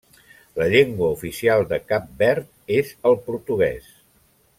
La llengua oficial de Cap Verd és el portuguès.